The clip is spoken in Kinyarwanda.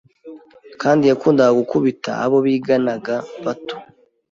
kandi yakundaga gukubita abo biganaga bato